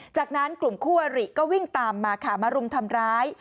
จากนั้นกลุ่มคู่อริก็วิ่งตามมาค่ะมารุมทำร้าย